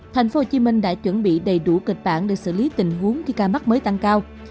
tp hcm đã chuẩn bị đầy đủ kịch bản để xử lý tình huống khi ca mắc mới tăng cao